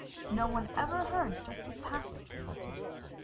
No one ever heard just what passed between the two.